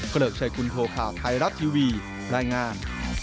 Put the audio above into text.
เกริกชัยคุณโทข่าวไทยรัฐทีวีรายงาน